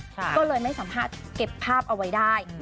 ก็เลยไม่สามารถเก็บภาพเอาไว้ได้